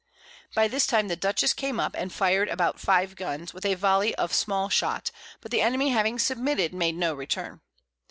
By this time the Dutchess came up, and fired about 5 Guns, with a Volley of Small Shot, but the Enemy having submitted, made no Return.